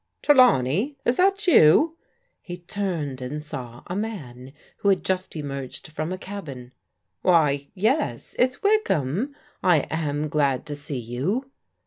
"Trelawney, is that you?" He turned and saw a man who had just emerged from a cabin. *' Why — ^yes, it's Wykham. I am glad to see you."